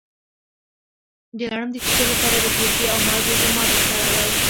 د لړم د چیچلو لپاره د هوږې او مالګې ضماد وکاروئ